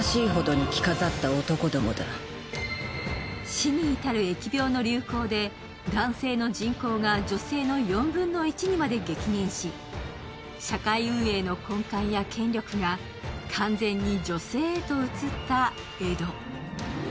死に至る疫病の流行で、男性の人口が女性の４分の１にまで激減し、社会運営の根幹や権力が完全に女性へと移った江戸。